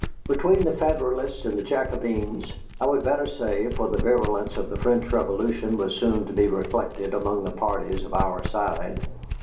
Between the Federalists and the Jacobins, I would better say, for the virulence of the French Revolution was soon to be reflected among the parties on our side.